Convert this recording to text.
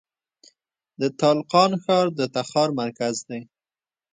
د تالقان ښار د تخار مرکز دی